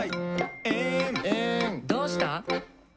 「どうした？」